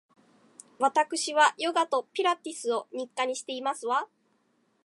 わたくしはヨガとピラティスを日課にしていますわ